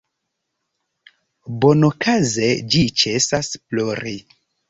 Bonokaze ĝi ĉesas plori.